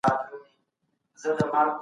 لويه جرګه د روښانه راتلونکي لپاره هڅه کوي.